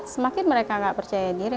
semakin mereka nggak percaya diri